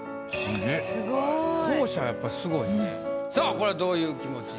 さぁこれはどういう気持ちで？